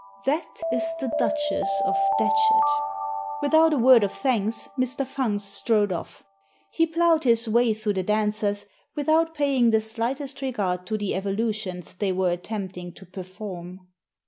"That is the Duchess of Datchet" Without a word of thanks Mr. Fungst strode off. He ploughed his way through the dancers without paying the slightest regard to the evolu tions they were attempting to perform.